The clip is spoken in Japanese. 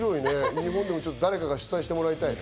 日本でも誰かが主催してもらいたいね。